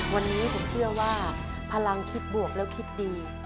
วันนี้ผมเชื่อว่าพลังคิดบวกแล้วคิดดี